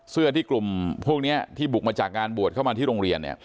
เสื้อที่กลุ่มพวกนี้ที่บุกมาจากงานบวชเข้ามาที่โรงเรียนเนี่ย